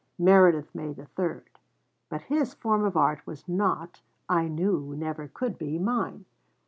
Meredith made the third; but his form of art was not, I knew never could be, mine.